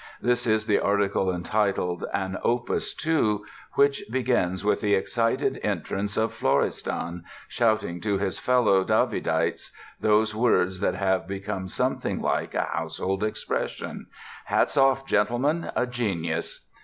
This is the article entitled "An Opus 2", which begins with the excited entrance of "Florestan" shouting to his fellow Davidites those words that have become something like a household expression: "Hats off, gentlemen, a genius!"